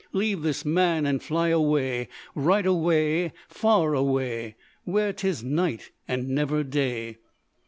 Leave this man and fly away Right away, far away, Where 'tis night and never day."